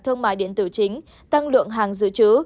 thương mại điện tử chính tăng lượng hàng dự trữ